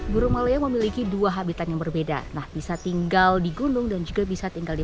burung malaya memiliki dua habitat yang berbeda nah bisa tinggal di gunung dan juga bisa tinggal di